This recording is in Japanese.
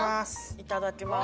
いただきます。